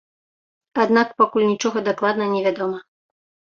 Аднак пакуль нічога дакладна невядома.